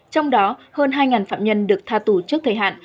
trong đó hơn hai phạm nhân được tha tù trước thời hạn